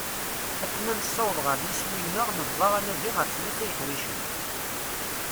Akken ad nessaweḍ ɣer yiswi-nneɣ nebḍa anadi ɣef tlata yeḥricen.